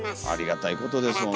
ありがたいことです